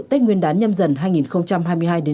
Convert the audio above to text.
tết nguyên đán nhâm dần hai nghìn hai mươi hai đến